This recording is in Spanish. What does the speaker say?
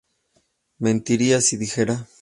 mentiría si dijera